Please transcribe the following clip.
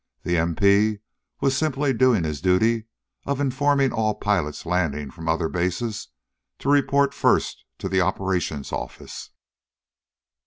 The M.P. was simply doing his duty of informing all pilots landing from other bases to report first to the operations office.